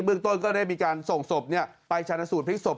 เรื่องต้นก็ได้มีการส่งศพไปชนะสูตรพลิกศพ